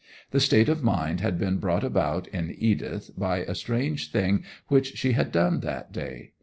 The state of mind had been brought about in Edith by a strange thing which she had done that day.